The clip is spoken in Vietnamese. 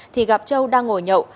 thì gặp châu đang ngồi nhậu